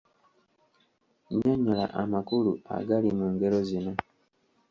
Nnyonnyola amakulu agali mu ngero zino.